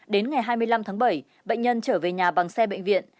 đến ngày hai mươi năm tháng bảy bệnh nhân trở về nhà bằng xe bệnh viện